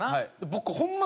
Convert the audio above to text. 僕ホンマ